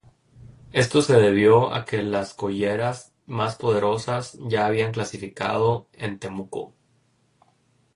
Esto se debió a que las colleras más poderosas ya habían clasificado en Temuco.